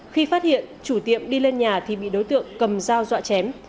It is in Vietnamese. khi phát hiện chủ tiệm đi lên nhà thì bị đối tượng cầm dao dọa chém